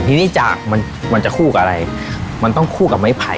ทีนี้จากมันมันจะคู่กับอะไรมันต้องคู่กับไม้ไผ่